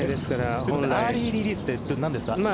アーリーリリースとは何ですか。